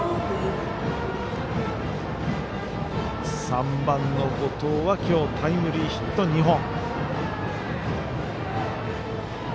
３番の後藤は今日、タイムリーヒット２本。